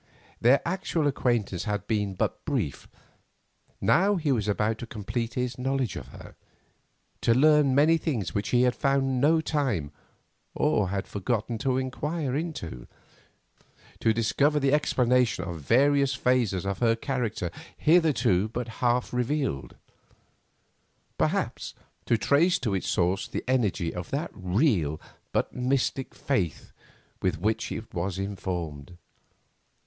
Their actual acquaintance had been but brief. Now he was about to complete his knowledge of her, to learn many things which he had found no time, or had forgotten to inquire into, to discover the explanation of various phases of her character hitherto but half revealed; perhaps to trace to its source the energy of that real, but mystic, faith with which it was informed.